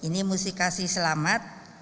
ini mesti dikasih selamat